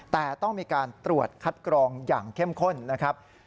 แต่ต้องมีการตรวจคัดกรองอย่างเข้มข้นนะครับ